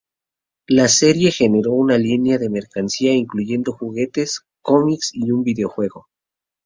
La serie generó una línea de mercancía incluyendo juguetes, cómics y un videojuego.